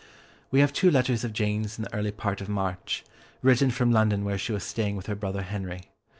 We have two letters of Jane's in the early part of March, written from London where she was staying with her brother Henry.